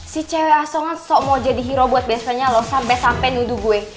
si cewek asongan sok mau jadi hero buat bestfriendnya lo sampe sampe nuduh gue